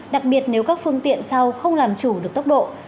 đặc biệt nếu các phương tiện sau không làm chủ được tốc độ